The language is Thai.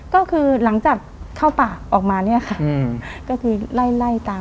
ก็คือหลังจากเข้าป่าออกมาเนี่ยค่ะก็คือไล่ไล่ตาม